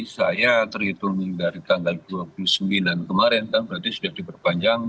saya terhitung dari tanggal dua puluh sembilan kemarin kan berarti sudah diperpanjang